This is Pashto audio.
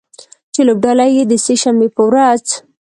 چې لوبډله یې د سې شنبې په ورځ